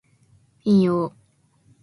引用